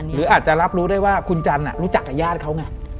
บ๊วยบ๊วยหรืออาจจะรับรู้ได้ว่าคุณจันทร์รู้จักไข้ญาติเขาน่ะ